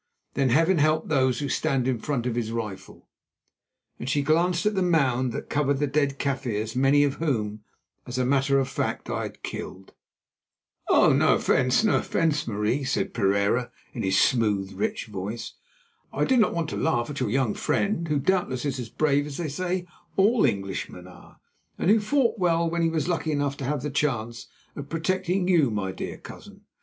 Then Heaven help those who stand in front of his rifle," and she glanced at the mound that covered the dead Kaffirs, many of whom, as a matter of fact, I had killed. "Oh! no offence, no offence, Marie," said Pereira in his smooth, rich voice. "I did not want to laugh at your young friend, who doubtless is as brave as they say all Englishmen are, and who fought well when he was lucky enough to have the chance of protecting you, my dear cousin.